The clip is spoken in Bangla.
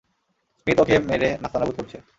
স্মিথ ওকে মেরে নাস্তানাবুদ করছে।